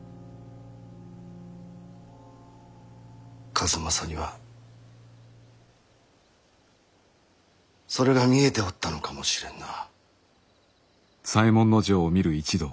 数正にはそれが見えておったのかもしれんな。